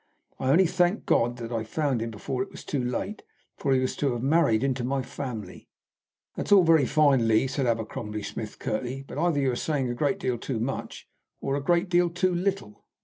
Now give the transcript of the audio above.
I only thank God that I found him out before it was too late, for he was to have married into my family." "This is all very fine, Lee," said Abercrombie Smith curtly. "But either you are saying a great deal too much or a great deal too little."